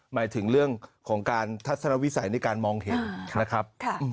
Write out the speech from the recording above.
หมายถึงเรื่องของการทัศนวิสัยในการมองเห็นนะครับ